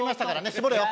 絞れよ。